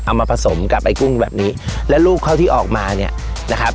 มาผสมกับไอ้กุ้งแบบนี้และลูกเข้าที่ออกมาเนี่ยนะครับ